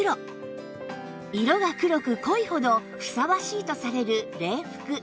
色が黒く濃いほどふさわしいとされる礼服